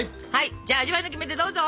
じゃあ味わいのキメテどうぞ。